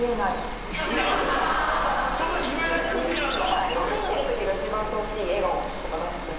そんな言えない空気なんだ。